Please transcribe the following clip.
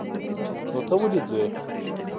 نو ته ولې ځې؟